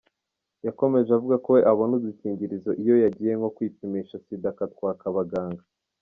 Yakomeje avuga ko we abona udukingirizo iyo yagiye nko kwipimisha Sida akatwaka abaganga.